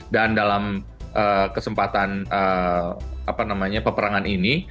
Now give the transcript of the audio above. dan dalam kesempatan peperangan ini